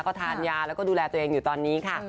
ก็ทานยาแล้วก็ดูแลตัวเองอยู่ตอนนี้ค่ะ